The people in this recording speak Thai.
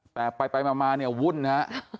แต่ไปไปมามาเนี่ยวุ่นฮะ